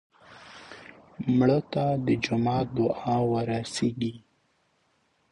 مړه ته د جومات دعا ورسېږي